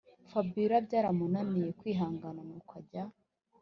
fabiora byaramunaniye kwihangana nuko ajya